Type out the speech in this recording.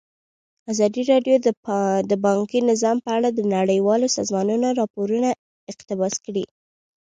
ازادي راډیو د بانکي نظام په اړه د نړیوالو سازمانونو راپورونه اقتباس کړي.